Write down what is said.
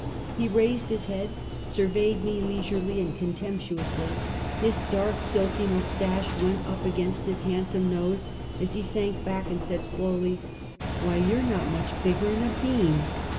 He raised his head, surveyed me leisurely and contemptuously, his dark silky moustache went up against his handsome nose as he sank back and said slowly: "Why, you 're not much bigger 'an a bean!"